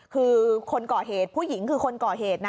คือคนก่อเหตุผู้หญิงคือคนก่อเหตุนะ